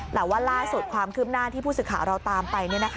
แต่ว่าล่าสุดความคืบหน้าที่ผู้สื่อข่าวเราตามไป